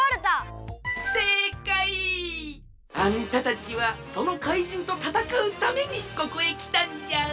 せいかい！あんたたちはそのかいじんとたたかうためにここへきたんじゃ！